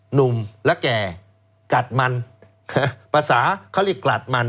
หนุ่มและแก่กัดมันภาษาเขาเรียกกลัดมัน